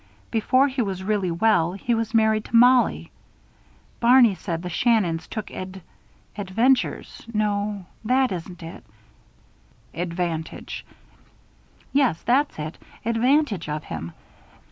Before he was really well, he was married to Mollie. Barney said the Shannons took ad adventures no, that isn't it " "Advantage." "Yes, that's it. Advantage of him.